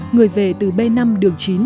người về từ b năm đường chín